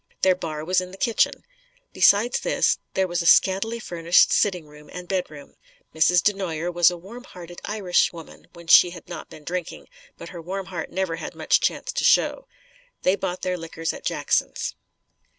Their bar was in the kitchen. Besides this, there was a scantily furnished sitting room and bed room. Mrs. DeNoyer was a warm hearted Irish woman when she had not been drinking, but her warm heart never had much chance to show. They bought their liquors at Jackson's.